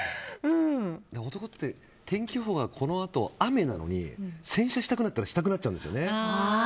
男って天気予報がこのあと雨なのに洗車したくなったらしたくなっちゃうんですよね。